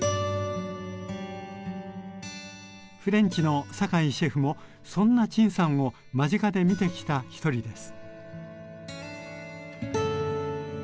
フレンチの坂井シェフもそんな陳さんを間近で見てきた一人です。